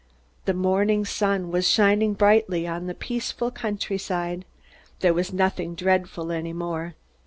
The morning sun was shining brightly on a peaceful countryside. There was nothing dreadful any more.